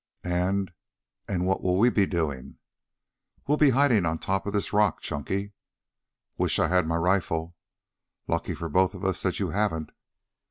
"And and what'll we be doing?" "We'll be hiding on the top of this rock, Chunky." "Wish I had my rifle." "Lucky for both of us that you haven't."